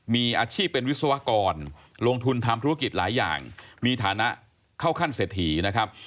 มีอาชีพเป็นวิศวกรลงทุนทำธุรกิจหลายอย่างมีฐานะเข้าขั้นเศรษฐีนะครับ